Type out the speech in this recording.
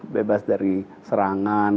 bebas dari serangan